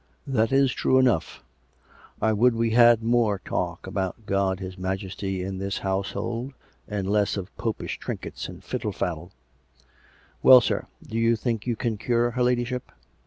" That is true enough. I would we had more talk about God His Majesty in this household, and less of Popish trinkets and fiddle faddle. ... Well, sir; do you think you can cure her ladyship?